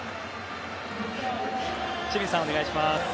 清水さん、お願いします。